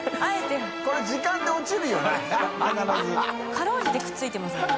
かろうじてくっついてますもんね。